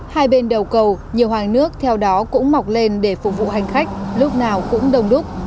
hai bên đầu cầu nhiều hoàng nước theo đó cũng mọc lên để phục vụ hành khách lúc nào cũng đông đúc